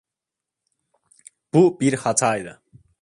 Bu bir hataydı.